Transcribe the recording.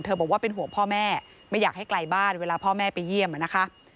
บอกว่าเป็นห่วงพ่อแม่ไม่อยากให้ไกลบ้านเวลาพ่อแม่ไปเยี่ยมนะคะ